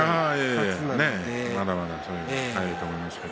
まだまだ早いと思いますよ。